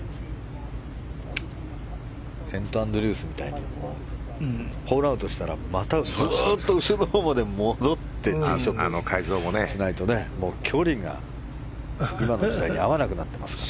セントアンドリュースみたいに、ホールアウトしたらまたずっと後ろのほうまで戻ってティーショットしないと距離が今の時代に合わなくなっていますから。